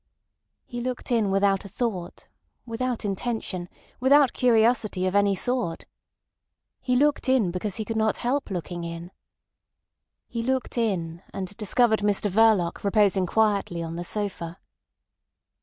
He looked in without a thought, without intention, without curiosity of any sort. He looked in because he could not help looking in. He looked in, and discovered Mr Verloc reposing quietly on the sofa.